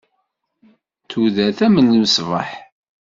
Tudert am lmesbeḥ.